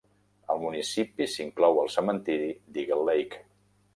Al municipi, s'inclou el cementiri d'Eagle Lake.